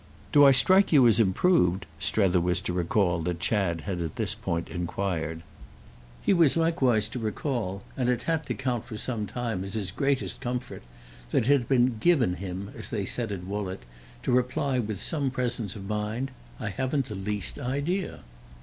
"Do I strike you as improved?" Strether was to recall that Chad had at this point enquired. He was likewise to recall—and it had to count for some time as his greatest comfort—that it had been "given" him, as they said at Woollett, to reply with some presence of mind: "I haven't the least idea."